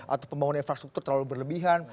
atau pembangunan infrastruktur terlalu berlebihan